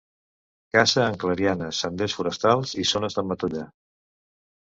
Caça en clarianes, senders forestals i zones de matollar.